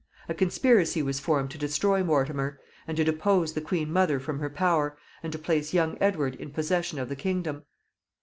A conspiracy was formed to destroy Mortimer, and to depose the queen mother from her power, and to place young Edward in possession of the kingdom.